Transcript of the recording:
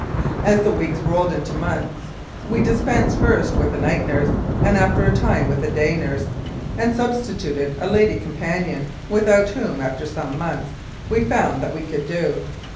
As the weeks rolled into months we dispensed first with the night nurse, and after a time with the day nurse, and substituted a lady companion, without whom, after some months, we found that we could do.